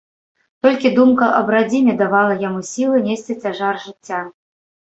Толькі думка аб радзіме давала яму сілы несці цяжар жыцця.